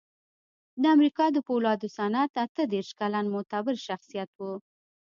د امریکا د پولادو صنعت اته دېرش کلن معتبر شخصیت و